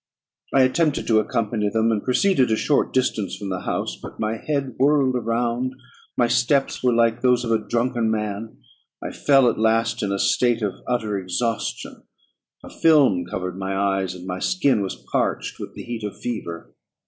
I attempted to accompany them, and proceeded a short distance from the house; but my head whirled round, my steps were like those of a drunken man, I fell at last in a state of utter exhaustion; a film covered my eyes, and my skin was parched with the heat of fever.